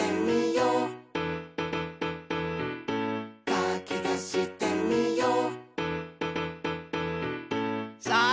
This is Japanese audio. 「かきたしてみよう」さあ！